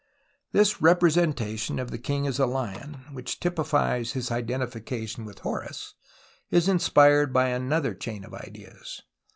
This representation of the king as a lion, lU TUTANKHAMEN which typifies his identification with Horus, is inspired by another chain of ideas.